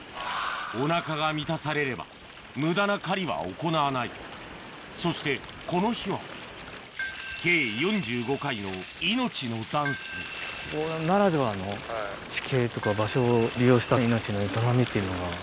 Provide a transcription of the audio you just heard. お腹が満たされれば無駄な狩りは行わないそしてこの日は計４５回の命のダンスここならではの地形とか場所を利用した命の営みっていうのが。